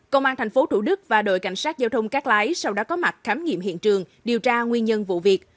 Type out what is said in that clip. công an tp thủ đức và đội cảnh sát giao thông cát lái sau đó có mặt khám nghiệm hiện trường điều tra nguyên nhân vụ việc